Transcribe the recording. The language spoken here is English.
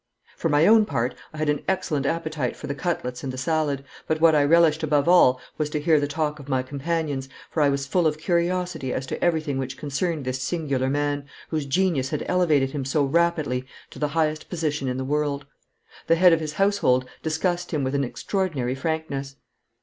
For my own part I had an excellent appetite for the cutlets and the salad, but what I relished above all was to hear the talk of my companions, for I was full of curiosity as to everything which concerned this singular man, whose genius had elevated him so rapidly to the highest position in the world. The head of his household discussed him with an extraordinary frankness.